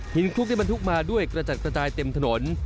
คลุกที่บรรทุกมาด้วยกระจัดกระจายเต็มถนน